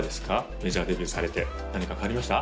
メジャーデビューされて何か変わりました？